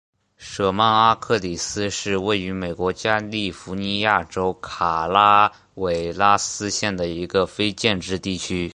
舍曼阿克里斯是位于美国加利福尼亚州卡拉韦拉斯县的一个非建制地区。